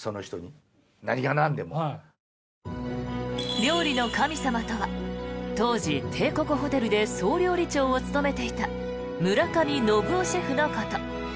料理の神様とは当時、帝国ホテルで総料理長を務めていた村上信夫シェフのこと。